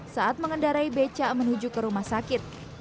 saat mengendarai beca menuju ke rumah sakit